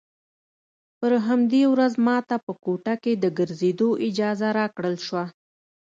پر همدې ورځ ما ته په کوټه کښې د ګرځېدو اجازه راکړل سوه.